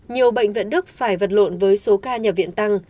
nhiều bệnh viện đức phải vật lộn với số ca nhập viện tăng